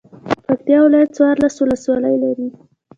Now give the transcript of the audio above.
پکتيا ولايت څوارلس ولسوالۍ لری.